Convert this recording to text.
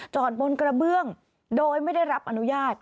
บนกระเบื้องโดยไม่ได้รับอนุญาต